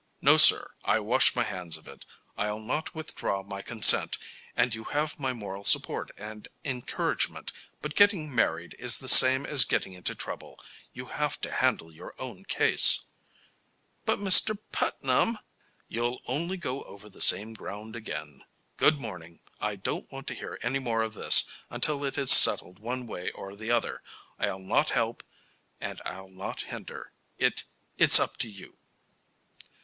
No, sir; I wash my hands of it. I'll not withdraw my consent, and you have my moral support and encouragement, but getting married is the same as getting into trouble you have to handle your own case." "But, Mr. Putnam " "You'll only go over the same ground again. Good morning. I don't want to hear any more of this until it is settled one way or the other. I'll not help and I'll not hinder. It It's up to you."